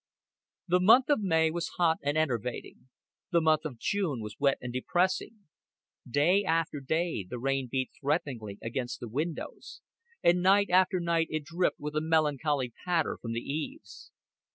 The month of May was hot and enervating; the month of June was wet and depressing. Day after day the rain beat threateningly against the windows, and night after night it dripped with a melancholy patter from the eaves.